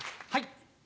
はい。